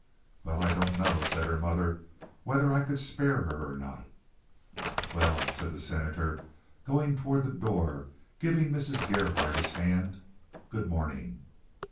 "Well, I don't know," said her mother, "whether I could spare her or not." "Well," said the Senator, going toward the door, and giving Mrs. Gerhardt his hand, "good morning."